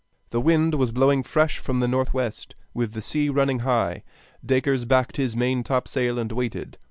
The wind was blowing fresh from the northwest, with the sea running high. Dacres backed his main topsail and waited.